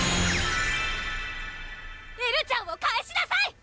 エルちゃんを返しなさい！